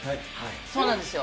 そうなんですよ。